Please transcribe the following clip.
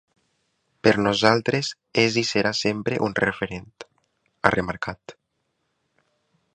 Per nosaltres és i serà sempre un referent, ha remarcat.